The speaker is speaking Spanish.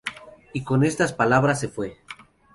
Y con estas palabras se fue.